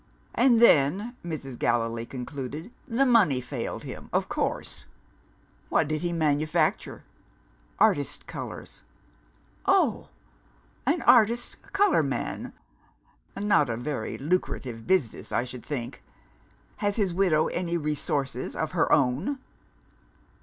"And then," Mrs. Gallilee concluded, "the money failed him, of course. What did he manufacture?" "Artists' colours." "Oh! an artists' colourman? Not a very lucrative business, I should think. Has his widow any resources of her own?"